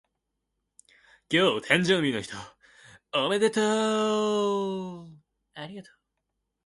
今日誕生日の人おめでとう